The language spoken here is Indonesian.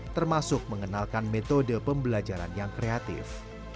termasuk mengenalkan metode pembelajaran yang kreatif